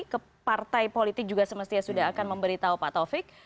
ke partai politik juga semestinya sudah akan memberitahu pak taufik